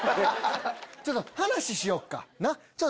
ちょっと話しよっかなっ？